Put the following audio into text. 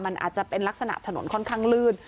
มันอาจจะเป็นลักษณะถนนค่อนข้างลื่น